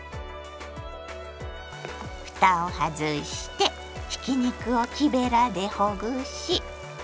ふたを外してひき肉を木べらでほぐし